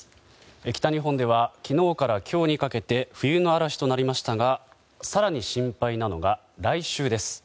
北日本では昨日から今日にかけて冬の嵐となりましたが更に心配なのが来週です。